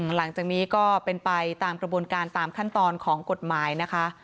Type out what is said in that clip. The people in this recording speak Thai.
หลังจากนี้ก็เป็นไปตามกระบวนการตามขั้นตอนของกฎหมายนะคะ